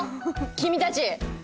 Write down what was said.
君たち！